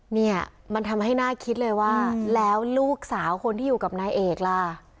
เนี่ยมันทำให้น่าคิดเลยว่าแล้วลูกสาวคนที่อยู่กับนายเอกล่ะ